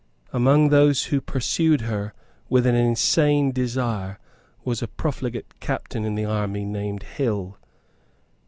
Among those who pursued her with an insane desire was a profligate captain in the army named Hill.